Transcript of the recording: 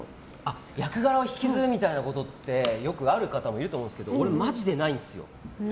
役柄を引きずるみたいなことってよくある方もいると思うんですけど俺、マジでないんですよ。